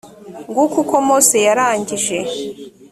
nguko uko mose yarangije